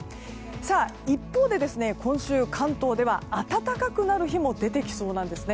一方で今週、関東では暖かくなる日も出てきそうです。